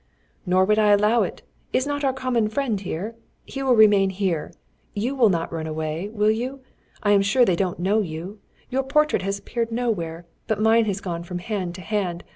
"Nor would I allow it. Is not our common friend here? He will remain here. You will not run away, will you? I am sure they don't know you. Your portrait has appeared nowhere, but mine has gone from hand to hand.